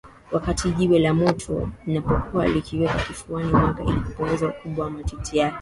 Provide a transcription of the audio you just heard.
wakati jiwe la moto linapokuwa likiwekwa kifuani mwake ili kupunguza ukubwa wa matiti yake